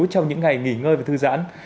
trong những ngày nghỉ ngơi và thư giãn